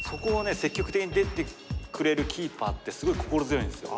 積極的に出てくれるキーパーってすごい心強いんですよ。